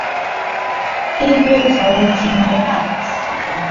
hivyo sauti ya wamarekani itasikika